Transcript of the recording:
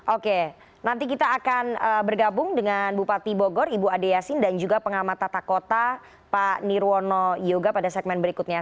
oke nanti kita akan bergabung dengan bupati bogor ibu ade yasin dan juga pengamat tata kota pak nirwono yoga pada segmen berikutnya